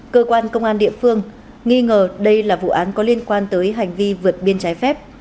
cơ quan công an địa phương nghi ngờ đây là vụ án có liên quan tới hành vi vượt biên trái phép